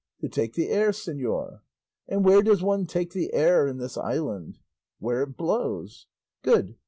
"To take the air, señor." "And where does one take the air in this island?" "Where it blows." "Good!